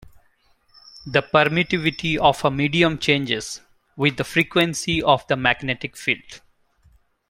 The permittivity of a medium changes with the frequency of the magnetic field.